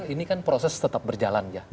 ini kan proses tetap berjalan ya